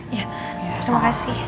iya terima kasih